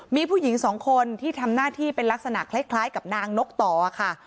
มีผู้หญิงสองคนที่ทำหน้าที่เป็นลักษณะคล้ายกับนางนกต่อค่ะ